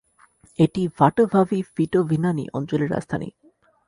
এটি ভাটোভাভি-ফিটোভিনানি অঞ্চলের রাজধানী।